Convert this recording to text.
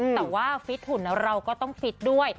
แต่ว่าฟิตหุ่นเราก็ต้องฟิตด้วย